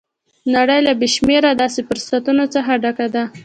نړۍ له بې شمېره داسې فرصتونو څخه ډکه ده